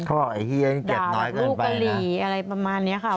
เขาบอกไอ้เหี้ยเจ็บน้อยเกินไปนะด่าลูกกะหรี่อะไรประมาณนี้ค่ะ